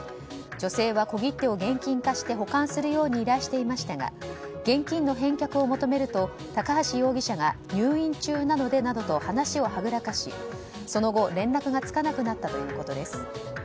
女性は小切手を現金化して保管するよう依頼していましたが現金の返却を求めると高橋容疑者が入院中なのでなどと話をはぐらかし、その後連絡がつかなくなったということです。